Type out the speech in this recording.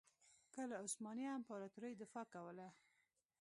که له عثماني امپراطورۍ دفاع کوله.